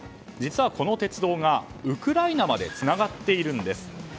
実はこの鉄道がウクライナまでつながっているんです。